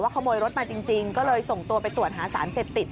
ว่าขโมยรถมาจริงจริงก็เลยส่งตัวไปตรวจหาสารเศรษฐิต